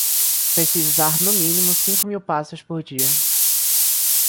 Preciso dar, no mínimo, cinco mil passos por dia.